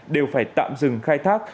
đều phải tạm dừng khai thác